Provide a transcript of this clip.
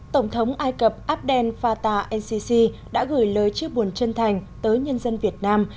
tổng thống ai cập abdel fatah el sisi đã gửi lời chia buồn chân thành tới nhân dân việt nam